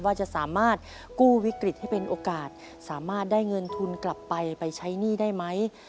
ว่าจะสามารถกู้วิกฤตให้เป็นโอกาสสามารถได้เงินทุนกลับไปไปใช้หนี้ได้ไหม